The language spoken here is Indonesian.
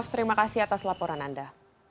terima kasih atas laporan anda